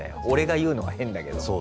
俺が言うのは変だけど。